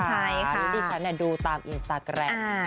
คือดิฉันดูตามอินสตาแกรม